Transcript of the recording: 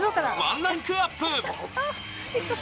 １ランクアップ。